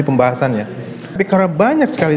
pembahasannya tapi karena banyak sekali